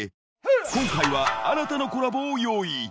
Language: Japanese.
今回は新たなコラボを用意。